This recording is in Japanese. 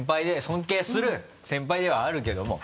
尊敬する先輩ではあるけども。